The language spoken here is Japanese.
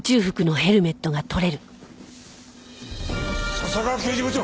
笹川刑事部長！